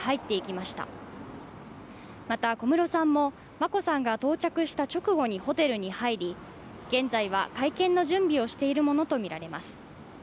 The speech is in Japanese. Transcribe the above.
また、小室さんも眞子さんが到着した直後にホテルに入り現在は会見の準備をしているものとみられます。